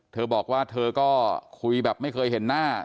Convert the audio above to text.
เธอบอกว่าเธอก็คุยแบบไม่เคยเห็นหน้า